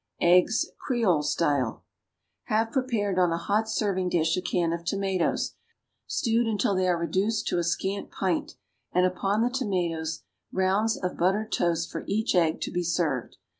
=Eggs.= (Creole style.) Have prepared on a hot serving dish a can of tomatoes, stewed until they are reduced to a scant pint, and upon the tomatoes rounds of buttered toast for each egg to be served.